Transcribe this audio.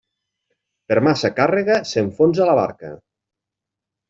Per massa càrrega s'enfonsa la barca.